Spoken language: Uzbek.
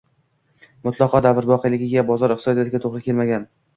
mutlaqo davr voqeligiga, bozor iqtisodiyotiga to‘g‘ri kelmagan